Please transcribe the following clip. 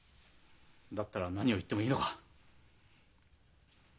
だったら何を言ってもいいのか？